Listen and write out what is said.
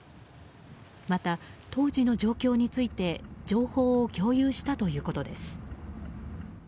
また当時の状況について情報を共有したということです。